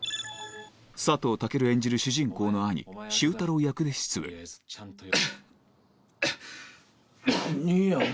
佐藤健演じる主人公の兄周太郎役で出演兄やん？